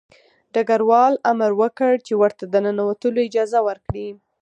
ډګروال امر وکړ چې ورته د ننوتلو اجازه ورکړي